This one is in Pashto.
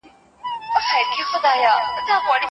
هغه په ډېر مهارت سره د زړه خبره تر لوستونکي رسوي.